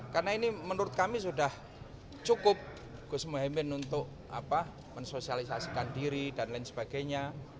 karena ini menurut kami sudah cukup gus mohamed untuk mensosialisasikan diri dan lain sebagainya